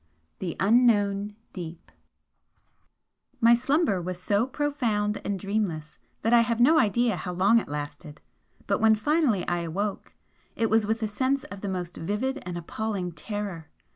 XIX THE UNKNOWN DEEP My slumber was so profound and dreamless that I have no idea how long it lasted, but when finally I awoke it was with a sense of the most vivid and appalling terror.